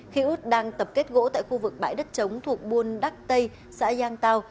khi út đang tập kết gỗ tại khu vực bãi đất chống thuộc buôn đắc tây xã giang tàu